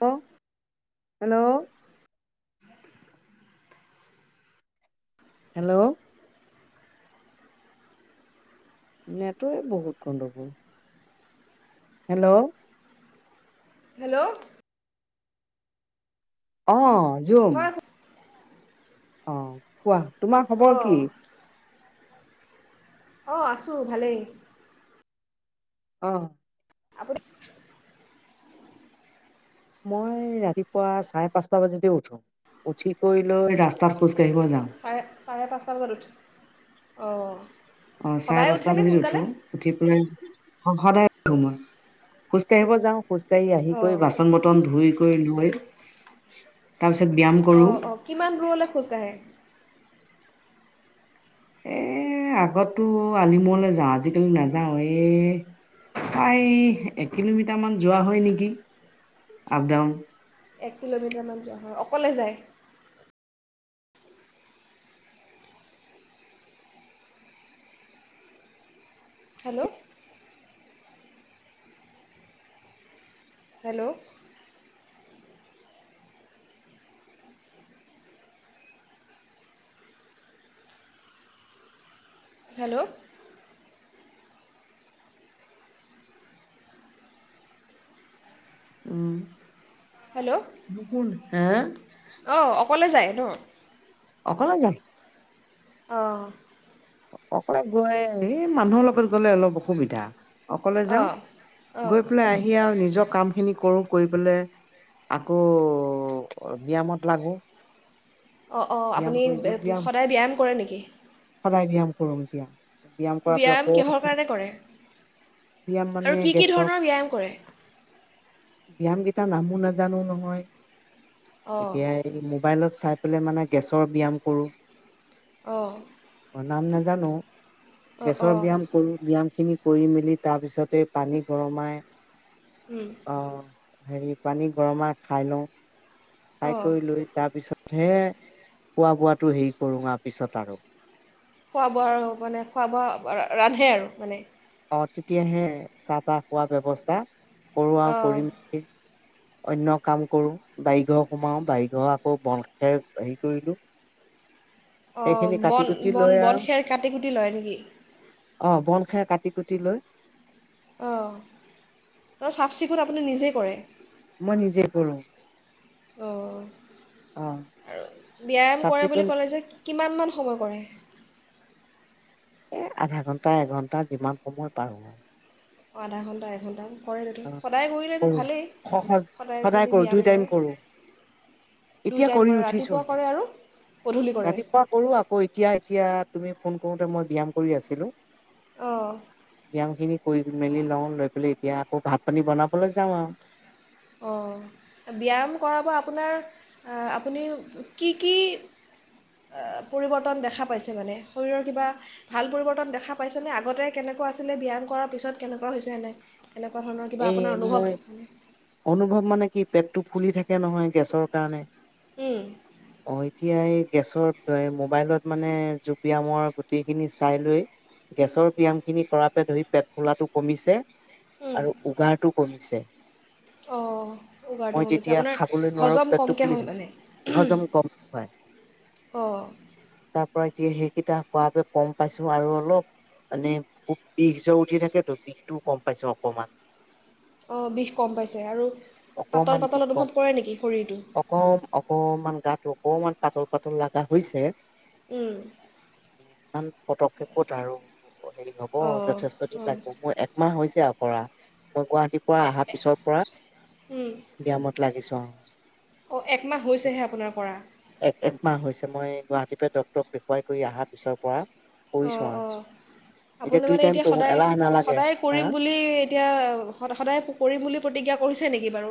Hello hello. Hello নেটএ বহুত গণ্ডগোল। হেল্ল' হেল্ল' অ জোম, হয় অ কোৱা তোমাৰ খবৰ অঁ কি? অঁ আছোঁ ভালেই। অ আপুনি মই ৰাতিপুৱা চাৰে পাঁচটা বজাতে উঠো। উঠি কৰি লৈ ৰাস্তাত খোজ কাঢ়িব যাওঁ। চাৰে চাৰে পাঁচটা বজাত উঠে অঁ, অ চাৰে সদায় পাঁচটা উঠেনে বাজি সোনকালে উঠো। উঠি পেলাই সদায় উঠোঁ মই খোজ কাঢ়িব যাওঁ খোজ, খোজ আহি কৰি অঁ বাচন বৰ্তন ধুই কৰি লৈ তাৰপিছত ব্যয়াম কৰো। অঁ অঁ কিমান দূৰলৈ খোজকাঢ়ে? এ আগতো আলিমূৰলৈ যাওঁ আজিকালি নাযাও এ, প্ৰায় এক কিলোমিটাৰ মান যোৱা হয় নেকি আপ ডাউন। এক কিলোমিটাৰমান যোৱা হয় অকলে যায়, হেল্ল' হেল্ল' হেল্ল' উম হেল্ল' কোন হে, অঁ অকলে যায় ন? অকলে যাম। অঁ অকলে গৈ এই মানুহৰ লগত গ'লে অলপ, অসুবিধা অকলে যাও অঁ অঁ গৈ পেলাই আহি আও নিজৰ কাম, সেইখিনি কৰো কৰি পেলাই আকৌ ব্যায়ামত লাগো। অ অ ব্যায়াম আপুনি কৰি যোগ সদায় ব্যায়াম কৰে নেকি? সদায় ব্যায়াম কৰোঁ দিয়া। ব্যায়াম কৰাটো আকৌ কিহৰ কাৰণে কৰে ব্যায়াম আৰু মানে কি কি গেছক, ধৰণৰ ব্যায়াম কৰে ব্যায়াম কেইটা নামো নাজানো নহয় অঁ এতিয়াই, এই মোবাইলত চাই পেলাই মানে গেছৰ ব্যায়াম কৰোঁ। অঁ নাম নাজানো অঁ গেছৰ ব্যায়াম কৰো ব্যয়াম খিনি, কৰি মেলি তাৰ পিছতে পানী গৰমাই, উম অ হেৰী পানী গৰমাই খাই লওঁ। খাই অঁ কৰি লৈ তাৰ পিছতহে খোৱা বোৱাটো হেৰি কৰো আও পিছত আৰু। খোৱা বোৱা আৰু মানে খোৱা বোৱা ৰান্ধে আৰু মানে। অ তেতিয়াহে চাহ তাহ খোৱা ব্যৱস্থা কৰো আৰু অঁ কৰি মেলি। অন্য কাম কৰো বাৰিঘৰ সোমাও বাৰিঘৰ আকৌ বন খেৰ হেৰি কৰিলো। অ কুটি লৈ বন বন আৰু খেৰ কাটি কুটি লয় নেকি। অ বন, খেৰ কাটি কুটি লৈ। অঁ ত চাফ- চিকুণ আপুনি নিজেই কৰে। মই নিজে কৰো। অ' অঁ আৰু ব্যায়াম চাফ কৰে বুলি চিকুণ ক'লে যে কিমানমান সময় কৰে। এ আধা ঘণ্টা এঘণ্টা যিমান সময় পাৰো আৰু। অ আধা ঘণ্টা এঘণ্টা। কৰে যদি, অ' সদায় কৰিলেতো ভালেই কৰোঁ সদায় যদি কৰোঁ দুই ব্যায়াম টাইম কৰে। কৰোঁ এতিয়া দুই টাইম কৰি কৰে ৰাতিপুৱা উঠিছোঁহে। কৰে আৰু গধূলি কৰে। ৰাতিপুৱা কৰো আকৌ এতিয়া এতিয়া তুমি ফোন কৰোতে মই ব্যায়াম কৰি আছিলো। অ। কাম খিনি কৰি মেলি লওঁ লৈ পেলাই এতিয়া আকৌ ভাত পানী বনাবলৈ যাওঁ আৰু। অঁ ব্যায়াম কৰাব আপোনাৰ আপুনিও কি কি? অ পৰিৱৰ্তন দেখা পাইছে মানে শৰীৰৰ কিবা। ভাল পৰিৱৰ্তন দেখা পাইছেনে আগতে কেনেকুৱা আছিলে ব্যায়াম কৰাৰ পিছত কেনেকুৱা হৈছে এনে। এনেকুৱা ধৰণৰ কিবা এই আপোনাৰ অনুভৱ মই মানে। অনুভৱ মানে কি পেটটো ফুলি থাকে নহয় গেছৰ কাৰণে। অ এতিয়া এই গেছৰ মোবাইলত মানে জুবিয়ামৰ গুটিখিনি চাই লৈ। গেছৰ ব্যয়াম খিনি কৰা পে ধৰি পেট ফুলাটো কমিছে। আৰু উগাৰটো কমিছে। উ। অঁ মই উগাৰটো কমিছে যেতিয়া আপোনাৰ খাবলৈ নোৱাৰো হজম পেটটো কমকৈ ফুলি হ' থাকে মানে। হজম কম হয়, অঁ তাৰ পৰা এতিয়া সেইকেইটা কোৱকে গম পাইছোঁ আৰু অলপ। মানে খুব বিষ জ উঠি থাকে তো বিষটোও গম পাইছো অকমান। অঁ বিষ কম পাইছে আৰু অকমান পাতল বিষ পাতল কম অনুভৱ কৰে নেকি শৰীৰটো। অকম অকমান গাত অকমান পাতল পাতল লগা হৈছে। উম। ইমান পদক্ষেপত আৰু হেৰি হ'ব অঁ যথেষ্ট দিন। অঁ লাগিব মোৰ একমাহ হৈছে আ। কৰা মই গুৱাহাটীৰ পৰা অহাৰ পিছৰ পৰা ব্যায়ামত লাগিছো আৰু। অঁ একমাহ হৈছেহে আপোনাৰ কৰা। এক একমাহ হৈছে মই গুৱাহাটীৰ পৰা ডক্তৰক দেখুৱাই কৰি আহা পিছৰ পৰা। অঁ পৰিচয়। অঁ আপুনি মানে এতিয়া সদায় নালাগে সদায় হা কৰিম বুলি। এতিয়া সদায় পু কৰিম বুলি প্ৰতিজ্ঞা কৰিছে নেকি বাৰু।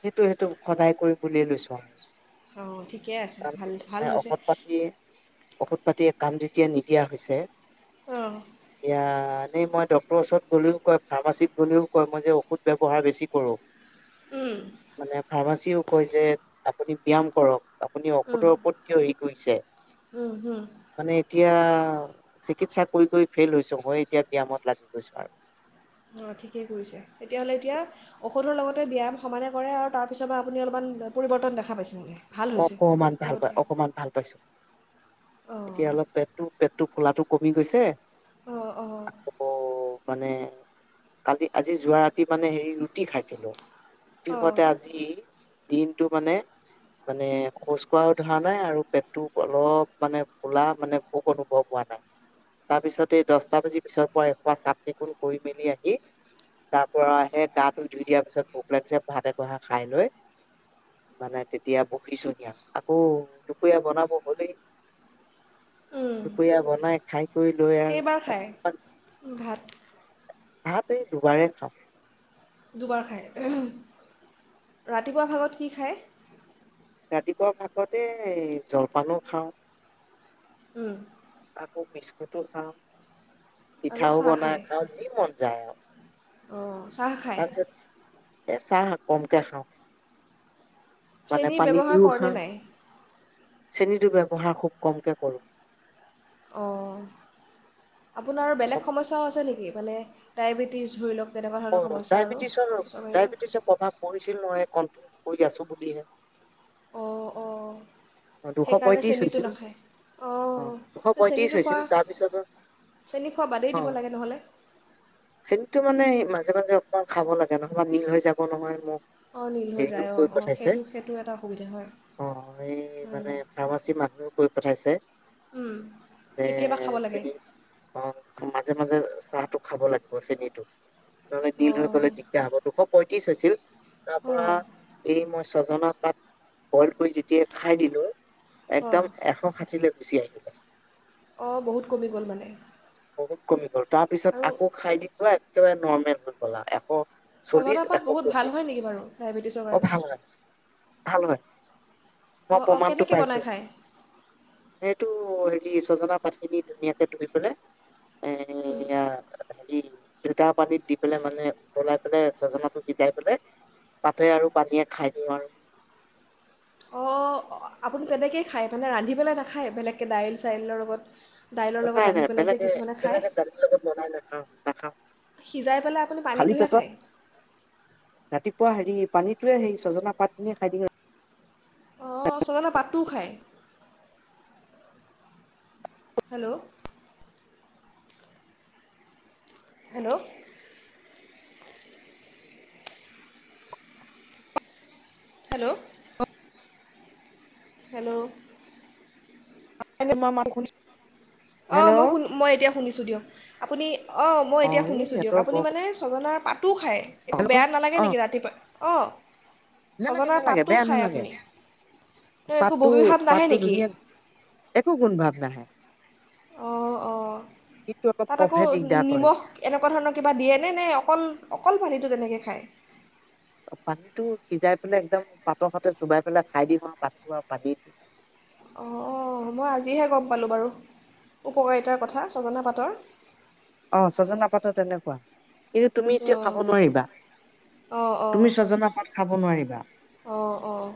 সেইটো সেইটো সদায় কৰি বুলিয়েই লৈছো আৰু। অঁ ঠিকে আছে কাম ভাল ভাল মানে হৈছে। ঔষধ পাতি ঔষধ পাতি কাণ যেতিয়া নিদিয়া হৈছে অঁ ইয়া এনেই মই দপ। ফৰ ওচত গ'লেও কয় ফাৰ্মাচিতত গ'লেও কয় মই যে ঔষধ ব্যৱহাৰ বেছি কৰোঁ। উম, মানে ফাৰ্মাচীও কয় যে আপুনি ব্যায়াম কৰক, আপুনি উম, ঔষধৰ ওপৰত কিয় হেৰি কৰিছে? উম হুম। মানে এতিয়া চিকিৎসা কৰি ফেইল হৈছোঁ। মই এতিয়া ব্যায়ামত লাগি গৈছোঁ আৰু। অঁ ঠিকেই কৰিছে, তেতিয়াহ'লে এতিয়া ঔষধৰ লগতে ব্যায়াম সমানে কৰে আৰু তাৰপিছত মই আপুনি অলপমান পৰিৱৰ্তন দেখা পাইছে মানে। ভাল হৈছে অকমান ভাল পাই আগতকৈ অকণমান ভাল পাইছোঁ। অঁ এতিয়া অলপ পেটটো পেটটো ফুলাটো কমি গৈছে। অঁ অঁ আকৌ মানে কালি আজি যোৱা ৰাতি মানে হেৰি ৰুটি খাইছিলোঁ। ৰুটি অঁ খোৱাতে আজি দিনটো মানে মানে শোজ কঢ়াও ধৰা নাই আৰু পেটটো অলপ মানে ফোলা মানে ভোক অনুভৱ হোৱা নাই। তাৰ পিছত এই দহটা বাজি পিছৰ পৰা এসুপা চাফ চিকুণ কৰি মেলি আহি তাৰ পৰা হে গাটো ধুই দিয়াৰ পিছত ভোক লাগিছে ভাত এগহা খাই লৈ মানে তেতিয়া বহিছোঁ হি আৰু আকৌ দুপৰীয়া বনাব হ'লেই। উম। দুপৰীয়া বনাই খাই কৈ লৈ আৰু কেইবাৰ খাই অকমান ভাত? ভাত এই দুবাৰে খাওঁ। দুবাৰ খায়, ৰাতিপুৱা ভাগত কি খায়? ৰাতিপুৱা ভাগত এই জলপানো খাওঁ। উম আকৌ বিস্কুতো খাওঁ, আৰু পিঠাও চাহ বনাই খায় খাওঁ, যি মন যায় আৰু। অঁ চাহ খায় তাৰপিছত এ চাহ কমকে খাওঁ। মানে চেনি পানী ব্যৱহাৰ দিও কৰেনে খাওঁ নাই চেনটো ব্যৱহাৰ খুব কমকে কৰোঁ। অঁ আপোনাৰ বেলেগ সমস্যাও আছে নেকি মানে ডায়েবেটিছ ধৰি লওক তেনেকুৱা অ ধৰণৰ সমস্যা আৰু ডায়েবেটিছৰ গেছৰ বাহিৰেও ডায়েবেটিছৰ প্ৰভাৱ পৰিছিল নহয় কন্ট্ৰল কৰি আছোঁ বুলিহে। অঁ অঁ অ দুশ সেইকাৰণে পঁয়ত্ৰিশ চেনিটো হৈছিল নাখায় অ দুশ অঁ পঁয়ত্ৰিশ চেনিটো হৈছিল খোৱা তাৰপিছত চেনি খোৱা বাদেই দিব লাগে নহ'লে। চেনীতো মানে মাজে মাজে অকণমান খাব লাগে নহবা নীল হৈ যাব নহয় মোৰ। অঁ নীল হৈ সেইটো যায় কৈ অঁ অঁ পঠাইছে সেইটো সেইটো এটা অসুবিধা হয় অ এই মানে উম, ফাৰ্মাচী মানুহও কৈ পঠাইছে উম, যে কেতিয়াবা খাব লাগে চেনি অ মাজে মাজে চাহ টো খাব লাগিব চেনিটো। নহলে নিৰ্ল হৈ অঁ গ'লে দিগদাৰ হ'ব দুশ পঁয়ত্ৰিশ হৈছিল। তাৰ অঁ পৰা এই মই ছজনা পাত বইল কৰি যেতিয়া খাই দিম। অঁ একদম এশ ষাঠিলৈ গুচি আহিলে। অঁ বহুত কমি গ'ল মানে। বহুত কমি গ'ল তাৰ পিছত আৰু আকৌ খাই দিলোঁ পোৱা একেবাৰে নৰ্মেল হৈ গ'ল আৰু এশ ছজনা চল্লিশ পাত এশ বহুত ভাল পঁচিশ হয় নেকি বাৰু ডায়েবেটিছৰ অ কাৰণে ভাল হয় ভাল হয়। মই অঁ অঁ প্ৰমাণ টো কেনেকৈ বনাই পাইছোঁ। খায় সেইটো হেৰি ছজনা পাতখিনি ধুনীয়াকে ধুই পেলাই এ উম [inaudible] পানীত দি পেলাই মানে উতলাই মানে ছজনাটো সিজাই পেলাই পাতে আৰু পানীয়ে খাই দিওঁ আৰু। অঁ আপুনি তেনেকেই খায় মানে ৰান্ধি পেলাই নাখায় বেলেগকৈ দাইল চাইলৰ লগত দাইলৰ লগত নাই ৰান্ধি নাই পেলাই যে বেলেগে কিছুমানে খায়। বেলেগে দালিৰ লগত বনাই নাখাওঁ নাখাওঁ সিজাই পেলাই আপুনি খালী পানীটোহে পেটত খায়। ৰাতিপুৱা হেৰি পানীটোৱে সেই সজনা পাতখিনিয়ে খাই [unintelligible] অ', ছজনা পাততো খায় হেল্লৌ হেল্লৌ হেল্লৌ হেল্লৌ [unintelligible] অ', ম হেল্ল' শুন মই এতিয়া শুনিছোঁ দিয়ক আপুনি অ', মই এতিয়া এই শুনিছোঁ দিয়ক নেটৰ আপুনি বৰ মানে ছজনাৰ পাতো খায় একো হেল্ল' বেয়া নালাগে অ নেকি ৰাতিপুৱা অ'। নালাগে ছজনাৰ নালাগে পাতটো বেয়া খায় নালাগে আপুনি ত' একো পাতটো বমি ভাৱ নাহে পাতটো নেকি? ধুনীয়া একো গুণ ভাৱ নাহে। অ', অ', কিন্তু অলপ তাত আকৌ কফহে দিগদাৰ কৰে নিমখ এনেকুৱা ধৰণৰ কিবা দিয়েনে নে অকল অকল পানীটো তেনেকে খায়? পানীটো সিজাই পেলাই একদম পাত সতে চুবাই পেলাই খাই দিওঁ আও পাতটো আও পানীটো। অ', মই আজিহে গম পালোঁ বাৰু উপকাৰিতাৰ কথা ছজনা পাতৰ অ', ছজনা পাতৰ তেনেকুৱা কিন্তু তুমি এতিয়া অঁ খাব নোৱাৰিবা অঁ তুমি ছজনা পাত খাব নোৱাৰিবা। অ', অ'।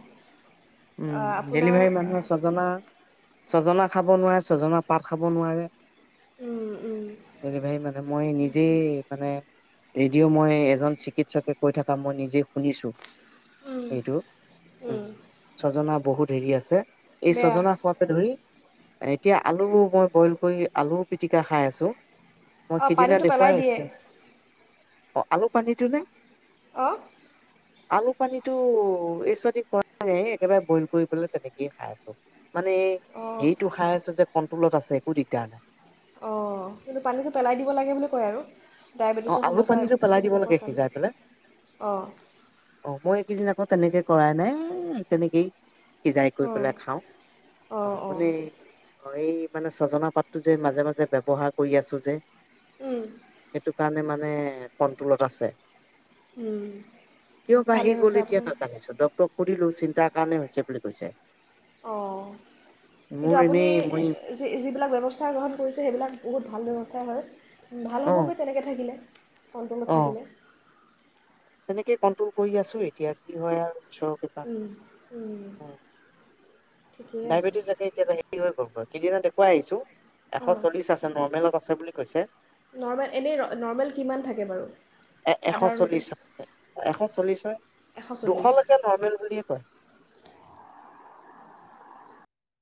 উম ডেলিভাৰী মানুহে ছজনা ছজনা খাব নোৱাএ ছজনা পাত খাব নোৱাৰে। উম উম। ডেলিভাৰী মানে মই নিজেই মানে ৰেডিঅ' মই এজন চিকিৎচকে কৈ থাকা মই নিজে শুনিছোঁ উম, এইটো উ উম, জনা বহুত হেৰি আছে এই বেয়া ছজনা খোৱা কে ধৰি এ, এতিয়া আলু মই বইল কৰি আলু পিতিকা খাই আছোঁ। মই অঁ সিদিনা পানীটো পেলাই দেখুৱাই দিয়ে আহিছোঁ অ', আলু পানীটো নে? অ', আলু পানীটো এই [unintelligible] একেবাৰে বইল কৰি পেলাই তেনেকেই খাই আছোঁ মানে এই অঁ হেৰিটো খাই আছোঁ যে কণ্টোলত আছে একো দিগদাৰ নাই। অ', কিন্তু পানীটো পেলাই দিব লাগে বুলি কয় আৰু। অ' ডায়েবেটিছৰ আলু সমস্যা পানীটো [unintelligible] পেলাই দিব লাগে সেইবিলাকৰ কাৰণে সিজাই পেলাই অ'। অ', মই এইকিদিন আকৌ তেনেকে কৰাই নাই [unintelligible] তেনেকেই সিজাই কৰি অঁ পেলাই খাওঁ অঁ অ', অঁ [unintelligible] এ অ', এই মানে ছজনা পাতটো যে মাজে মাজে ব্যৱহাৰ কৰি আছোঁ যে উম। সেটো কাৰণে মানে কন্টোলত আছে। উম। কিয় বাঢ়ি ভালেই হৈছে গ'ল এতিয়া আপোনাৰ নাজানিছোঁ দ তক সুধিলো চিন্তা কাৰণে হৈছে বুলি কৈছে। অ', কিন্তু মোৰ আপুনি এনেই মই যি যিবিলাক ব্যৱস্থা গ্ৰহণ কৰিছে সেইবিলাক বহুত ভাল ব্যৱস্থাই হয়। উম ভাল অ হ'বগৈ তেনেকৈ থাকিলে কন্টলত অ থাকিলে। তেনেকে কণ্টোল কৰি আছোঁ এতিয়া কি হয় আৰু ঈচৰকে উম উম। ঠিকেই আছে ডায়বেটিছ [unintelligible] হেই হৈ গ'লগৈ কেইদিনত দেখুৱাই আহিছোঁ এশ অঁ চল্লিশ আছে, নৰ্মেলত আছে বুলি কৈছে। নৰ্মেল এনেই নৰ্মেল কিমান থাকে বাৰু? এ এশ সাধাৰণতে চল্লিশ এশ চল্লিশৰ, এশ চল্লিছ দুশলৈকে নৰ্মেল বুলিয়ে কয়।